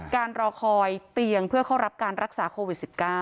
รอคอยเตียงเพื่อเข้ารับการรักษาโควิด๑๙